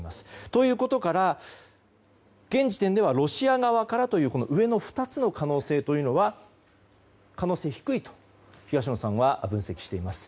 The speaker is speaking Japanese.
ということから現時点ではロシア側からという上の２つの可能性というのは可能性が低いと東野さんは分析しています。